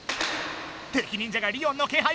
敵忍者がリオンの気配を察知！